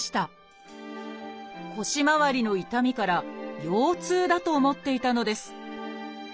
腰まわりの痛みから腰痛だと思っていたのです